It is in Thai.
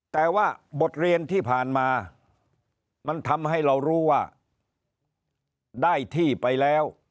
แต่ว่าบทเรียนที่ผ่านมามันทำให้เรารู้ว่าได้ที่ไปแล้ว